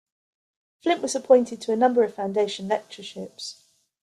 Flint was appointed to a number of foundation lectureships.